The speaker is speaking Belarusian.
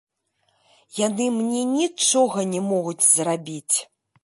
Яны мне нічога не могуць зрабіць.